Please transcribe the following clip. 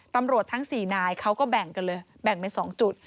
ตำรวจทั้ง๔นายเขาก็แบ่งกันเลยแบ่งเป็น๒จุด